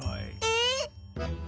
えっ？